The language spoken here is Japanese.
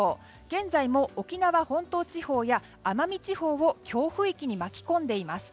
現在も沖縄本島地方や奄美地方を強風域に巻き込んでいます。